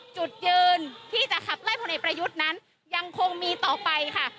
จุดยืนที่จะขับไล่พลเอกประยุทธ์นั้นยังคงมีต่อไปค่ะ